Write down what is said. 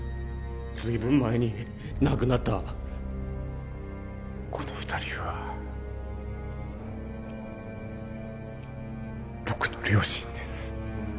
ずいぶん前に亡くなったこの二人は僕の両親です